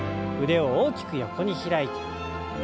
腕を大きく横に開いて。